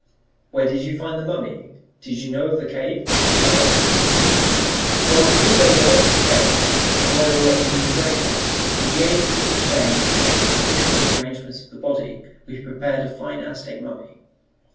"Where did you find the mummy? Did you know of the cave?" I asked. "Well, we knew where there were lots of caves, and where there were Indian graveyards. With the aid of a little stain and judicious arrangement of a body we prepared a fine Aztec mummy.